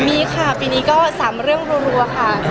มีค่ะปีนี้ก็๓เรื่องรัวค่ะ